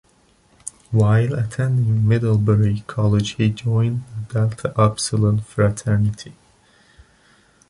While attending Middlebury College he joined The Delta Upsilon Fraternity.